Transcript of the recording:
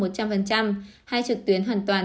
một trăm linh hai trực tuyến hoàn toàn